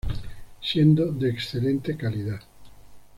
Siendo de excelente calidad.